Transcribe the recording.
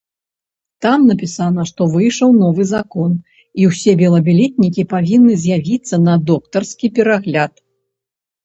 Там напісана, што выйшаў новы закон і ўсе белабілетнікі павінны з'явіцца на доктарскі перагляд.